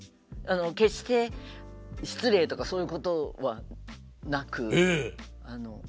決して失礼とかそういうことはなく普通にタメ口。